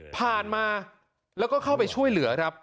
ผ่านมาแล้วก็เข้าไปช่วยเหลือครับ